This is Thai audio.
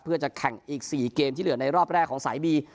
เพื่อจะแข่งอีก๔เกมที่เหลือในรอบแรกของสายบี